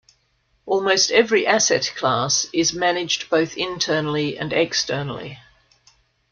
Almost every asset class is managed both internally and externally.